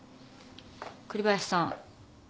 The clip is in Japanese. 栗林さん。